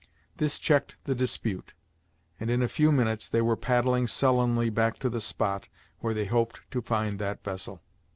This checked the dispute, and in a few minutes they were paddling sullenly back to the spot where they hoped to find that vessel.